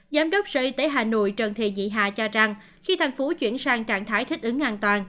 giám đốc sở y tế hà nội trần thị dĩ hà cho rằng khi thành phố chuyển sang trạng thái thích ứng an toàn